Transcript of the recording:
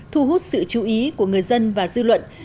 thu hút sự chú ý của người dân và dư luận